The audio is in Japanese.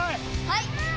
はい！